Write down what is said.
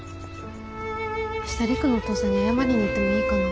明日陸のお父さんに謝りに行ってもいいかな？